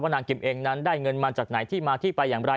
นางกิมเองนั้นได้เงินมาจากไหนที่มาที่ไปอย่างไร